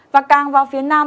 và càng vào phía nam